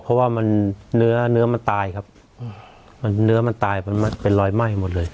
เพราะว่าเนื้อมันตายครับเนื้อมันตายเป็นรอยไหม้หมดเลย